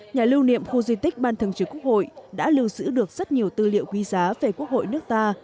nhà lưu niệm khu di tích ban thường trực quốc hội đã lưu giữ được rất nhiều tư liệu quý giá về quốc hội nước ta